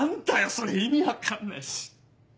それ意味分かんないし。